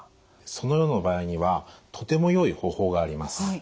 そのような場合にはとてもよい方法があります。